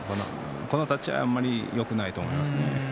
この立ち合いはよくないと思いますね。